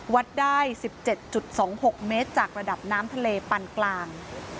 วัดได้๑๗๒๖เมตรจากระดับน้ำทะเลปันกลาง